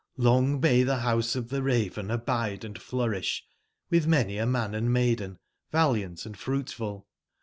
Long may tbe Rouse of tbe Raven abide & flourisb, witb many a man and maiden, valiant and fruitful!